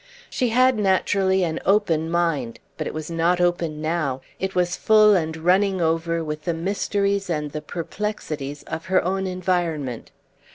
She had naturally an open mind, but it was not open now; it was full and running over with the mysteries and the perplexities of her own environment.